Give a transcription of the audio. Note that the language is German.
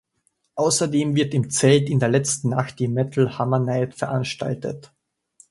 Außerdem wird im Zelt in der letzten Nacht die "Metal Hammer Night" veranstaltet.